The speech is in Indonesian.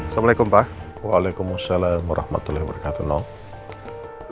sedangkan andin dan al sudah bersikap keras seperti kemarin